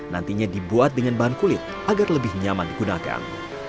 nantinya dibuat dengan bahan kulit agar lebih nyaman digunakan